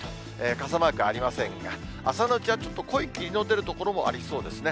傘マークありませんが、朝のうちはちょっと濃い霧の出る所もありそうですね。